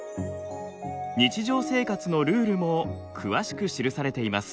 日常生活のルールも詳しく記されています。